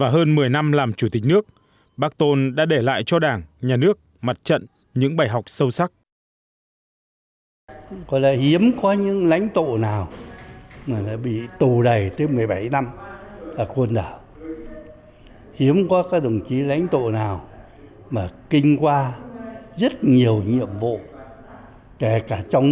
hơn một mươi năm làm chủ tịch nước bác tôn đã để lại cho đảng nhà nước mặt trận những bài học sâu sắc